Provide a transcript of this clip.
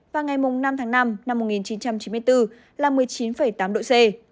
và ngày năm tháng năm năm một nghìn chín trăm chín mươi bốn là một mươi chín tám độ c